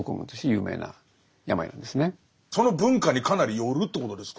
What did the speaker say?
その文化にかなりよるってことですか？